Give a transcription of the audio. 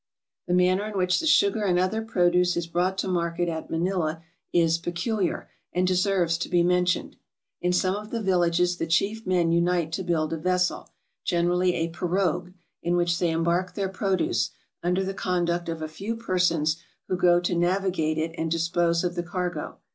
The manner in which the sugar and other produce is brought to market at Manila is peculiar, and deserves to be mentioned. In some of the villages the chief men unite to build a vessel, generally a pirogue, in which they embark their produce, under the conduct of a few persons, who go to navigate it and dispose of the cargo.